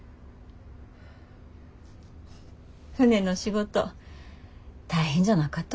船の仕事大変じゃなかと？